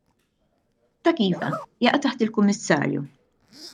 Dak iva, jaqa' taħt il-kummissarju.